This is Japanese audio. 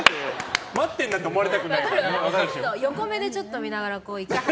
待ってるなって思われたくないから。